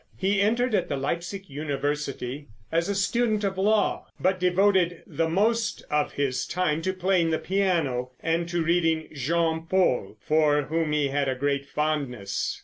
He entered at the Leipsic University as a student of law, but devoted the most of his time to playing the piano, and to reading Jean Paul, for whom he had a great fondness.